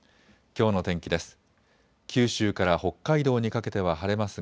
きょうの天気です。